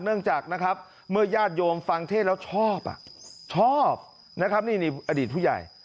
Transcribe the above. เนื่องจากนะครับเมื่อญาติโยมฟังเทศแล้วชอบชอบนะครับนี่อดีตผู้ใหญ่